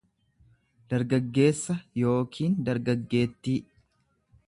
dargaggeessa yookiin dargaggeettii.